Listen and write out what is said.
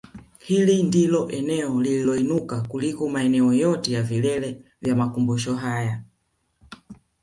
Hili ndilo eneo lililoinuka kuliko maeneo yote ya vilele vya makumbumsho haya